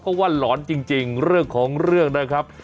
เพราะว่าหลอนจริงเรื่องของเรื่องนะครับ